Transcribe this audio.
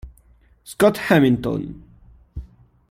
Scott Hamilton